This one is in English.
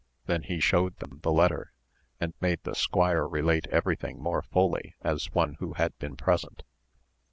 then he showed them the letter, and made the squire relate everything more fully as one who had been present.